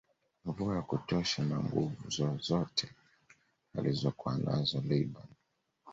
Mvua ya kutosha na Nguvu zozote alizokuwa nazo laibon